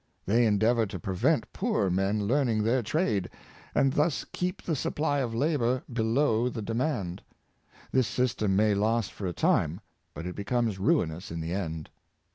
They endeavor to prevent poorer men learning their trade, and thus keep the supply of labor below the demand. This system may last for a time^ but it becomes ruinous in the end.